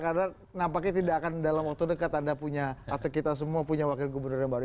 karena nampaknya tidak akan dalam waktu dekat anda punya atau kita semua punya wakil gubernur yang baru